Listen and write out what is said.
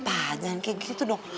pak jangan kayak gitu dong